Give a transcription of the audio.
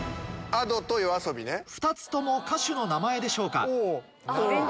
２つとも歌手の名前でしょうか。